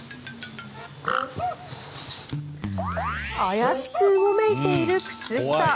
怪しくうごめいている靴下。